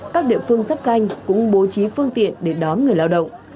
các địa phương dắp danh cũng bố trí phương tiện để đón người lao động